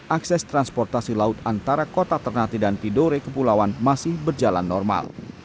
akses transportasi laut antara kota ternate dan tidore kepulauan masih berjalan normal